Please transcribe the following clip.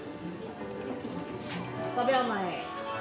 ５秒前。